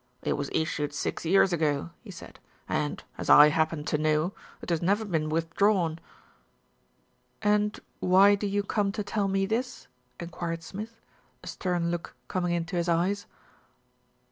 "It was issued six years ago," he said, "and, as I happen to know, it has never been withdrawn." "And why do you come to tell me this?" enquired Smith, a stern look coming into his eyes.